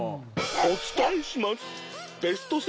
お伝えします。